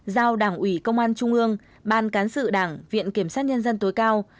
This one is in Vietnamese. giao đảng ủy công an trung ương ban cán sự đảng viện kiểm sát nhân dân tối cao